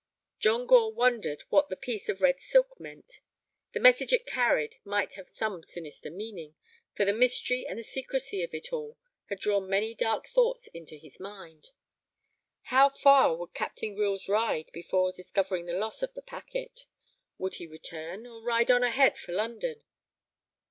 John Gore wondered what the piece of red silk meant. The message it carried might have some sinister meaning, for the mystery and the secrecy of it all had drawn many dark thoughts into his mind. How far would Captain Grylls ride before discovering the loss of the packet? Would he return, or ride on ahead for London?